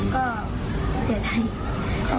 ก็เสียใจ